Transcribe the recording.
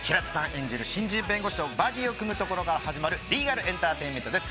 演じる新人弁護士とバディを組むところから始まるリーガルエンターテインメントです。